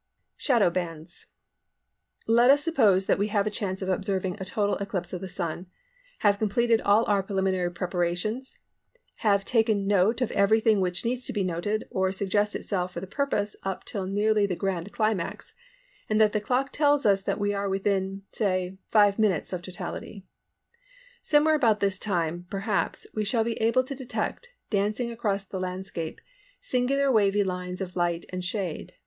SHADOW BANDS. Let us suppose that we have a chance of observing a total eclipse of the Sun; have completed all our preliminary preparations; have taken note of everything which needs to be noted or suggests itself for that purpose up till nearly the grand climax; and that the clock tells us that we are within, say, five minutes of totality. Somewhere about this time perhaps we shall be able to detect, dancing across the landscape, singular wavy lines of light and shade.